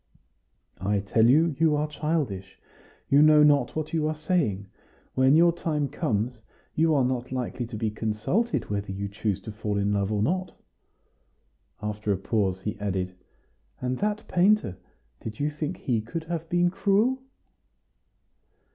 "I tell you you are childish; you know not what you are saying. When your time comes, you are not likely to be consulted whether you choose to fall in love or not." After a pause, he added, "And that painter: did you think he could have been cruel?"